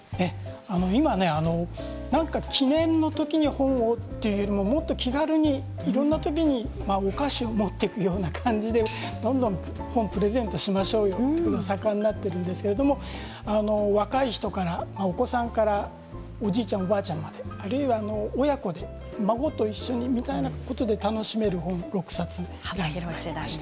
今なんか記念の時に本をというよりも気軽にいろんな時にお菓子を持っていくような感じでどんどん本をプレゼントしましょうよっていうのが盛んになっているんですけれど若い人からお子さんからおじいちゃん、おばあちゃんまであるいは親子で孫と一緒に見たいということで楽しめる本を６冊選びました。